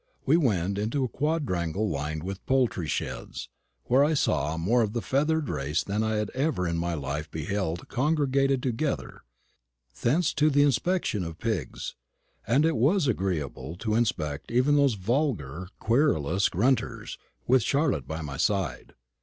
We went into a quadrangle lined with poultry sheds, where I saw more of the feathered race than I had ever in my life beheld congregated together; thence to the inspection of pigs and it was agreeable to inspect even those vulgar querulous grunters, with Charlotte by my side.